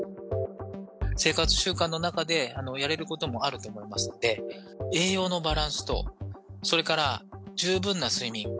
生活習慣の中でやれることもあると思いますんで、栄養のバランスと、それから十分な睡眠。